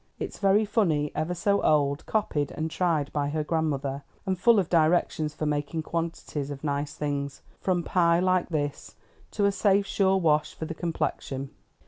It's very funny, ever so old, copied and tried by her grandmother, and full of directions for making quantities of nice things, from pie like this to a safe, sure wash for the complexion.